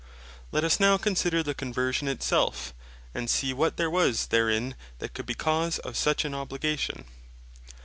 Let us now consider the Conversion it self, and see what there was therein, that could be cause of such an obligation.